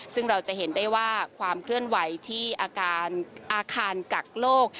ซึ่งเราจะเห็นได้ว่าความเคลื่อนไหวที่อาการอาคารกักโลก